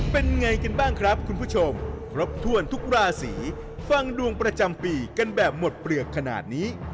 เป็นไงกันบ้างครับคุณผู้ชมครบถ้วนทุกราศีฟังดวงประจำปีกันแบบหมดเปลือกขนาดนี้